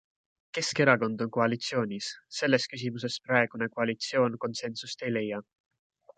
Keskerakond on koalitsioonis, selles küsimuses praegune koalitsioon konsensust ei leia.